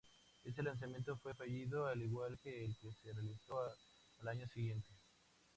Ese lanzamiento fue fallido, al igual que el que se realizó al año siguiente.